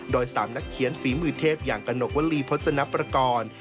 โดย๓นักเขียนฝีมือเทพอย่างกระหนกวลีพจนประกอบ